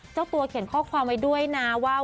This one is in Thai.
เจ้าตัวเขียนข้อความไว้ด้วยนะว่า